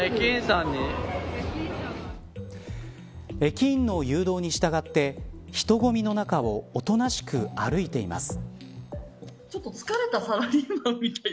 駅員の誘導に従って人混みの中をおとなしく歩いています。